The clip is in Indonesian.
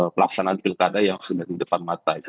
pelaksanaan pilkada yang sudah di depan mata